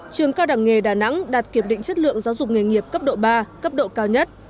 trường cao đẳng nghề đà nẵng đạt kiểm định chất lượng giáo dục nghề nghiệp cấp độ ba cấp độ cao nhất